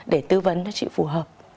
để tư vấn cho chị phù hợp